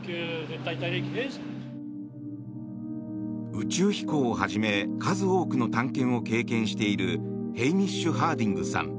宇宙飛行をはじめ数多くの探検を経験しているヘイミッシュ・ハーディングさん。